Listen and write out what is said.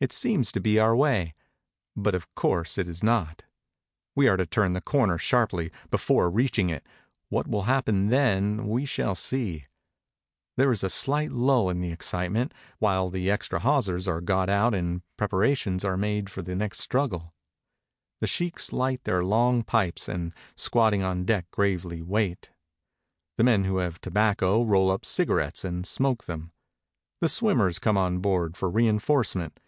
It seems to be our way; but of course it is not. We are to turn the corner sharply, before reaching it; what will happen then we shall see. There is a slight lull in the excitement, while the extra hawsers are got out and preparations are made for the 256 UP THE CATARACTS OF THE NILE next struggle. The sheikhs light their long pipes, and squatting on deck gravely wait. The men who have tobacco roll up cigarettes and smoke them. The swim mers come on board for reinforcement.